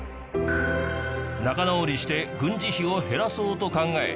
仲直りして軍事費を減らそうと考え